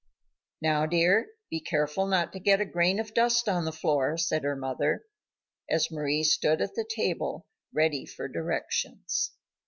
"Now, dear, be careful not to get a grain of dust on the floor," said her mother, as Mari stood at the table ready for directions.